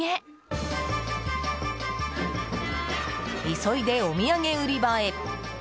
急いで、お土産売り場へ！